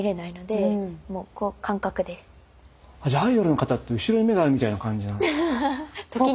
じゃあアイドルの方って後ろに目があるみたいな感じなんですか？